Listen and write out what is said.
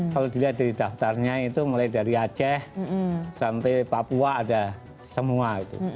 kalau dilihat dari daftarnya itu mulai dari aceh sampai papua ada semua